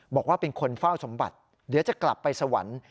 บอกว่าเป็นคนเฝ้าสมบัติเดี๋ยวจะกลับไปสวรรค์